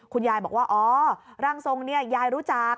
คุณยายบอกว่าอ๋อร่างทรงเนี่ยยายรู้จัก